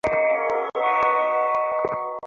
আমার সাথে গিল্ডে চলো।